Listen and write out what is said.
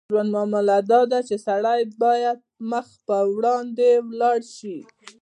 د ژوند معامله داده چې سړی باید مخ پر وړاندې ولاړ شي.